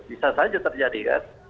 bisa saja terjadi kan